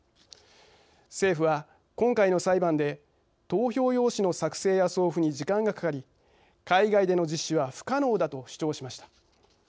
政府は、今回の裁判で「投票用紙の作成や送付に時間がかかり海外での実施は不可能だ」と主張しました。